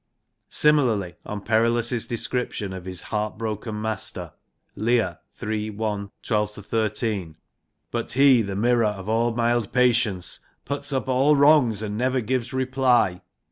Similarly on Perillus' description of his heart broken master (Leir, III. i. 12 13) But he, the mirror of mild patience, Puts up all wrongs, and never gives reply.'